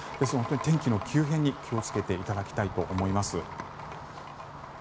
天気の急変に気を付けていただきたいと思います。